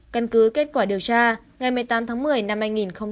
căn cứ kết quả điều tra ngày một mươi tám tháng một mươi năm hai nghìn hai mươi ba